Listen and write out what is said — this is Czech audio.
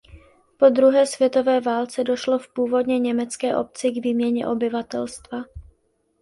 Po druhé světové válce došlo v původně německé obci k výměně obyvatelstva.